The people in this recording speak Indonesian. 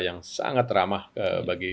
yang sangat ramah bagi